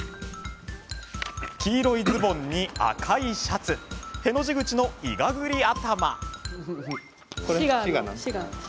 黄色いズボンに、赤いシャツ。への字口のいがぐり頭。